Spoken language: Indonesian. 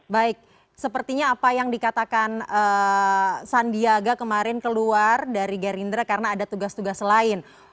baik sepertinya apa yang dikatakan sandiaga kemarin keluar dari gerindra karena ada tugas tugas lain